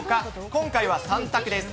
今回は３択です。